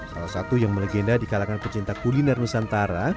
salah satu yang melegenda di kalangan pecinta kuliner nusantara